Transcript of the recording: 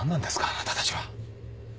あなたたちは。